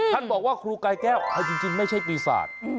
ท่านบอกว่าครูกายแก้วเอาจริงไม่ใช่ปีศาจ